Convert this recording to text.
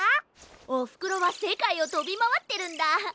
おふくろはせかいをとびまわってるんだ。